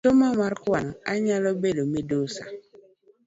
Gisomo mar kwano, anyalo bedo midusa